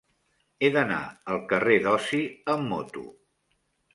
He d'anar al carrer d'Osi amb moto.